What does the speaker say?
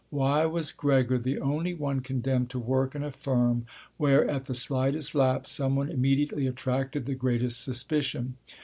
Why was Gregor the only one condemned to work in a firm where, at the slightest lapse, someone immediately attracted the greatest suspicion?